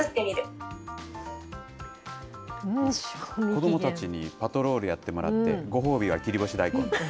子どもたちにパトロールやってもらって、ご褒美は切り干し大根。